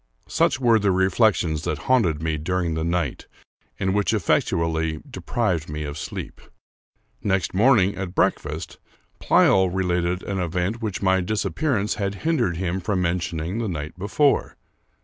Such were the reflections that haunted me during the night, and which effectually deprived me of sleep. Next morning, at breakfast, Pleyel related an event which my dis appearance had hindered him from mentioning the night be fore.